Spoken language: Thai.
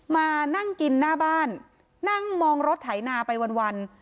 มานั่งกินหน้าบ้านนั่งมองรถไถนาไปวัน